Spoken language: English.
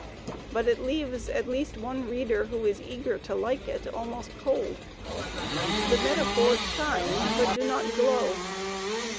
But it leaves at least one reader, who is eager to hke it, ahnost oold. The metaphors shine, but do not glow.